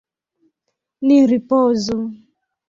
Ni ripozu!